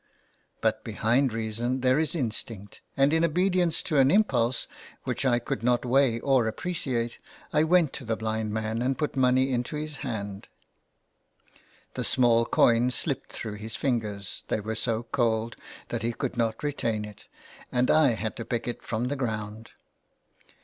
But behind reason there is instinct, and in obedience to an impulse, which I could not weigh or appreciate, I went to the blind man and put money into his hand ; the small coin slipped through his fingers ; they were so cold that he could not retain it, and I had to pick it from the ground.